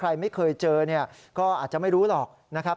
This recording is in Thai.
ใครไม่เคยเจอเนี่ยก็อาจจะไม่รู้หรอกนะครับ